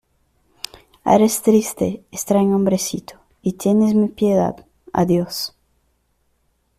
Eres triste, extraño hombrecito , y tienes mi piedad. Adiós .